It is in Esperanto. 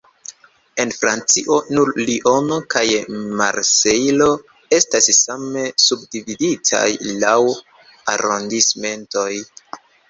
En Francio, nur Liono kaj Marsejlo estas same subdividitaj laŭ arondismentoj.